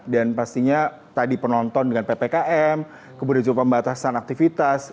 dan pastinya tadi penonton dengan ppkm kemudian juga pembatasan aktivitas